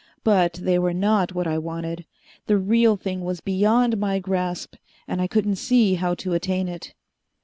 But they were not what I wanted. The real thing was beyond my grasp, and I couldn't see how to attain it.